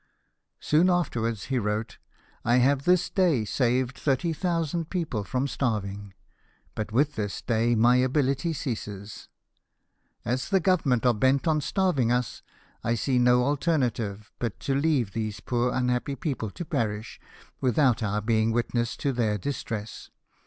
Soon afterwards he wrote :" I have this day saved thirty thousand people from starving, but with this day my ability ceases. As the Government are bent on starving us, I see no alternative but to leave these poor unhappy people to perish, without our being witnesses to their distress.